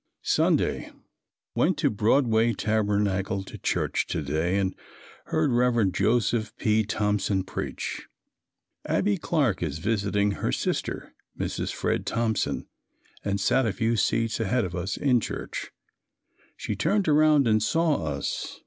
Sunday. Went to Broadway Tabernacle to church to day and heard Rev. Joseph P. Thompson preach. Abbie Clark is visiting her sister, Mrs. Fred Thompson, and sat a few seats ahead of us in church. She turned around and saw us.